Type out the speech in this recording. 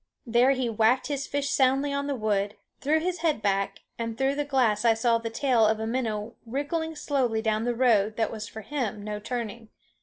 There he whacked his fish soundly on the wood, threw his head back, and through the glass I saw the tail of a minnow wriggling slowly down the road that has for him no turning.